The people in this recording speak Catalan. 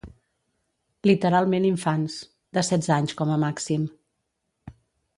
Literalment infants, de setze anys com a màxim.